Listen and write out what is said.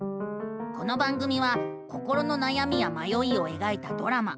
この番組は心のなやみやまよいをえがいたドラマ。